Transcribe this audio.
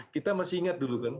kita masih ingat dulu